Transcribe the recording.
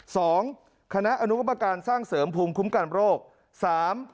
สองคณะอนุกรรมการสร้างเสริมภูมิคุ้มกันโรคสาม